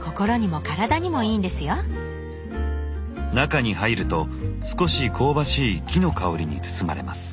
中に入ると少し香ばしい木の香りに包まれます。